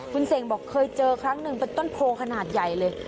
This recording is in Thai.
คุณเสกบอกเคยเจอครั้งหนึ่งเป็นต้นโพขนาดใหญ่เลย